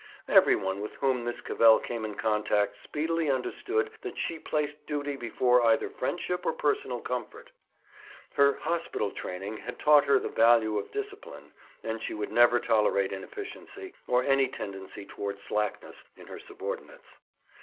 Every one with whom Miss Cavell came in contact speedily understood that she placed duty before either friendship or personal comfort. Her hospital training had taught her the value of discipline, and she would never tolerate inefficiency, or any tendency towards slackness, in her subordinates.